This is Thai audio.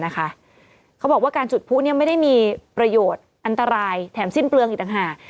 เขาบอกว่าการจุดผู้ไม่ได้มีประโยชน์อันตรายแถมสิ้นเปลืองอีกต่างหาก